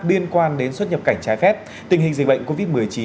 liên quan đến xuất nhập cảnh trái phép tình hình dịch bệnh covid một mươi chín